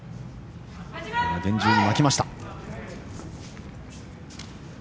厳重に巻きました。